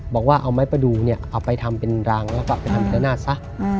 บอกว่าเอาไม้ประดูกเนี่ยเอาไปทำเป็นรางแล้วก็เอาไปทำเป็นละนาดซะ